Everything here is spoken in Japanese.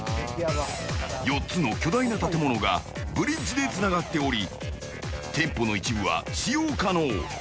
４つの巨大な建物がブリッジでつながっており店舗の一部は使用可能。